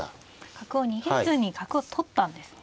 角を逃げずに角を取ったんですね。